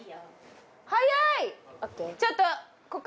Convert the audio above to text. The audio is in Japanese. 早い！